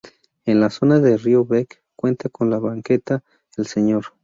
En la zona de Rio Bec cuenta con la banqueta. El Sr.